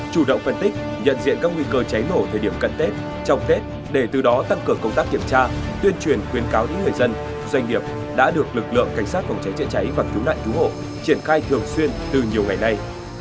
chủ động phân tích nhận diện các nguy cơ cháy nổ thời điểm cận tết trong tết để từ đó tăng cường công tác kiểm tra tuyên truyền khuyến cáo những người dân doanh nghiệp đã được lực lượng cảnh sát phòng cháy chữa cháy và cứu nạn cứu hộ triển khai thường xuyên từ nhiều ngày nay